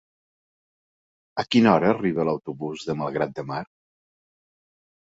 A quina hora arriba l'autobús de Malgrat de Mar?